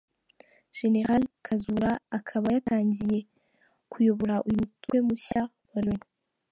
General Kazura akaba yatangiye kuyobora uyu mutwe mushya wa Loni.